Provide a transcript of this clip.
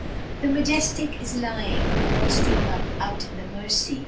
The Majestic is lying, with all steam up, out in the Mersey.